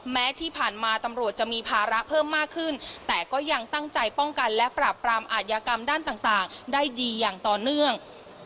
แม้ที่ผ่านมาตำรวจจะมีภาระเพิ่มมากขึ้นแต่ก็ยังตั้งใจป้องกันและปราบปรามอาทยากรรมด้านต่างได้ดีอย่างต่อเนื่อง